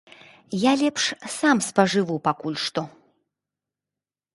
Я лепш сам спажыву пакуль што.